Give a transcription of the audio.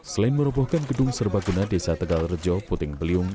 selain merobohkan gedung serbaguna desa tegal rejo puting beliung